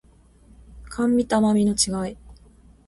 甘味と甘味の違い